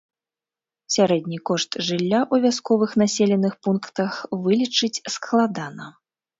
Сярэдні кошт жылля ў вясковых населеных пунктах вылічыць складана.